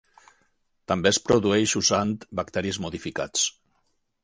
També es produeix usant bacteris modificats.